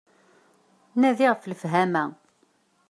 Nadi ɣef lefhama.